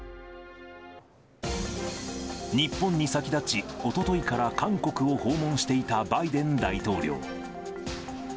日本に先立ち、おとといから韓国を訪問していたバイデン大統領。